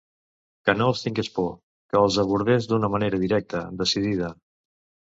Que no els tingues por, que els abordes d'una manera directa, decidida...